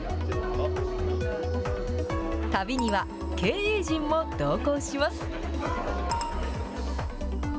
旅には、経営陣も同行します。